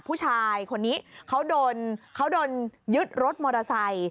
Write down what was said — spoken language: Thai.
ผู้ชายคนนี้เขาโดนยึดรถมอเตอร์ไซค์